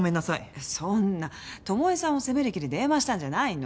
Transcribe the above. そんな巴さんを責める気で電話したんじゃないの。